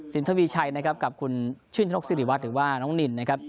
ทวีชัยนะครับกับคุณชื่นชนกศิริวัตรหรือว่าน้องนินนะครับ